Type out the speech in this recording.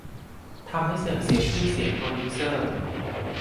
ทำให้เสื่อมเสียชื่อเสียงโปรดิวเซอร์